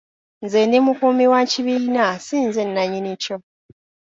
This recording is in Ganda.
Nze ndi mukuumi wa kibiina ssi nze nannyini kyo.